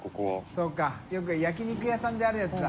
そうかよく焼き肉屋さんであるやつだ。